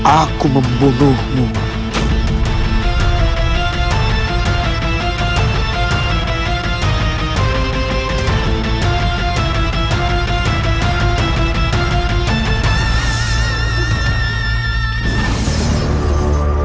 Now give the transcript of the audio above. aku mau khawatirkan keselamatannya